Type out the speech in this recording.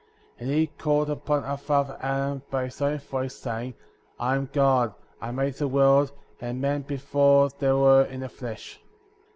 *^ 51. And he called upon our father Adam by his own voice, saying : I am God ; I made the world, and men before they were in the flesh.